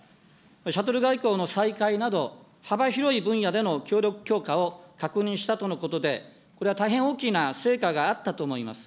シャトル外交の再開など、幅広い分野での協力強化を確認したとのことで、これは大変大きな成果があったと思います。